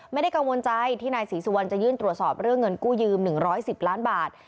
ไม่ได้กังวลใจที่นายศรีสุวรรณจะยื่นตรวจสอบเรื่องเงินกู้ยืม๑๑๐ล้านบาท